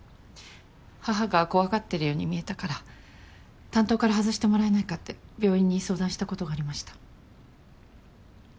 母が怖がってるように見えたから担当から外してもらえないかって病院に相談したことがありました。